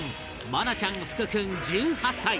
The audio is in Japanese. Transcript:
愛菜ちゃん福君１８歳